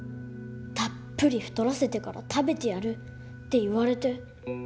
「たっぷり太らせてから食べてやる」って言われて。